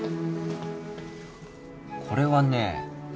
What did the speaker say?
これはね。